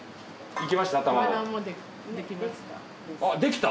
いきました？